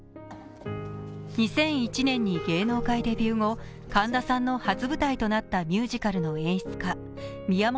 ２００１年に芸能界デビュー後神田さんの初舞台となったミュージカルの演出家宮本亞